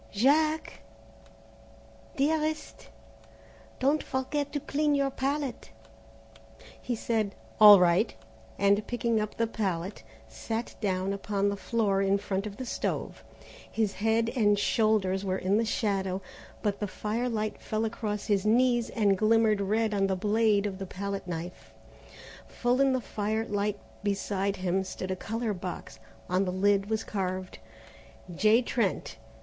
"Jack?" "Dearest?" "Don't forget to clean your palette." He said, "All right," and picking up the palette, sat down upon the floor in front of the stove. His head and shoulders were in the shadow, but the firelight fell across his knees and glimmered red on the blade of the palette knife. Full in the firelight beside him stood a colour box. On the lid was carved, J. TRENT.